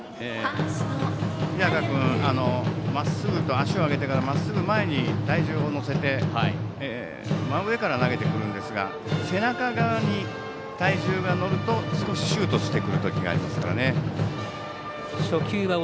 日高君、足を上げてからまっすぐ前に体重を乗せて真上から投げてくるんですが背中側に体重が乗ると少しシュートしてくる時がありますのでね。